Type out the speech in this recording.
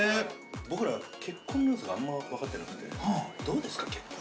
◆僕ら結婚のよさがあんまり分かってなくて、どうですか、結婚。